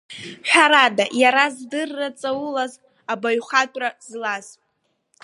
Ҳәарада, иара здырра ҵаулаз, абаҩхатәра злаз.